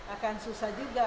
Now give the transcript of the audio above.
akan susah juga